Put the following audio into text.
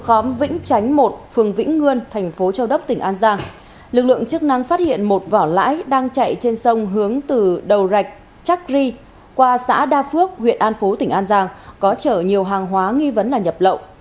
khóm vĩnh chánh một phường vĩnh ngươn thành phố châu đốc tỉnh an giang lực lượng chức năng phát hiện một vỏ lãi đang chạy trên sông hướng từ đầu rạch trắc ri qua xã đa phước huyện an phú tỉnh an giang có chở nhiều hàng hóa nghi vấn là nhập lậu